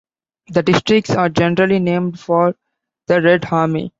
The districts are generally named for the Red Army.